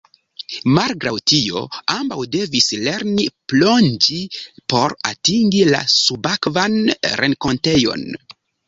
Malgraŭ tio, ambaŭ devis lerni plonĝi por atingi la subakvan renkontejon.